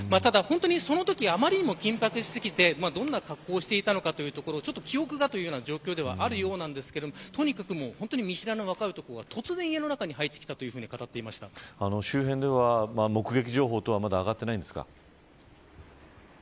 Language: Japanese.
そのときあまりにも緊迫しすぎてどんな格好をしていたのかというところ記憶がというような状況ではありますが見知らぬ若い男が突然家の中に入ってきた周辺では、目撃情報などは上がっていませんか。